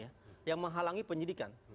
ya yang menghalangi penyidikan